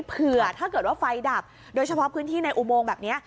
ถ้าเกิดว่าไฟดับโดยเฉพาะพื้นที่ในอุโมงแบบนี้